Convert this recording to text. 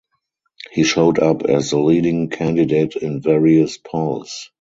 He showed up as the leading candidate in various polls.